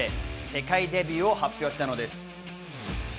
世界デビューを発表したのです。